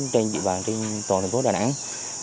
trên địa bàn của đà nẵng